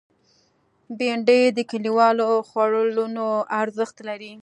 بېنډۍ د کلیوالو خوړونو ارزښت لري